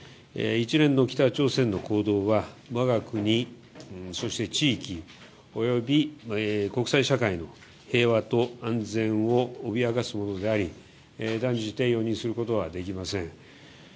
一連の北朝鮮の行動は我が国、そして地域及び国際社会の平和と安全を脅かすものであり断じて容認することはできません。